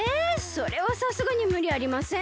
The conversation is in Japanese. それはさすがにむりありません？